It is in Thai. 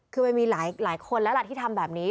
คือมันมีหลายคนแล้วล่ะที่ทำแบบนี้